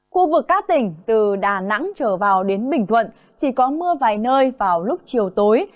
khu vực các tỉnh từ đà nẵng trở vào đến bình thuận chỉ có mưa vài nơi vào lúc chiều tối